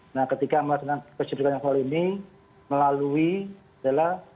nah ketika melaksanakan kesiapsetiaan nasional ini melalui adalah mengembangkan kesehatan